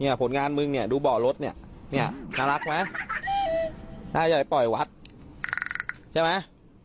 เนี่ยผลงานมึงเนี่ยดูเบาะรถเนี่ยเนี่ยนะ่าหรอไหมหน่าจะปล่อยวัดใช่ไหม